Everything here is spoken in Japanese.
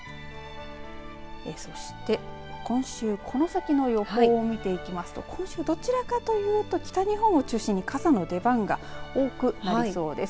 そして今週この先の予報を見ていきますと今週どちらかというと北日本を中心に傘の出番が多くなりそうです。